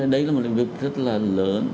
đấy là một lĩnh vực rất là lớn